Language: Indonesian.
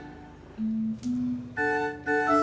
oh sama ini